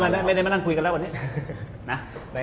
ไม่ได้มานั่งคุยกันแล้ววันนี้นะ